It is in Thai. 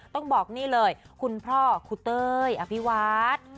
ต้องบอกนี่เลยคุณพ่อครูเต้ยอภิวัฒน์